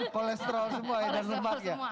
kolesterol semua ya dan lemak ya